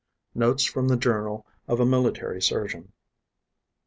NOTES FROM THE JOURNAL OF A MILITARY SURGEON.